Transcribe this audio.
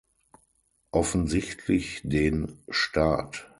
Offensichtlich den Staat.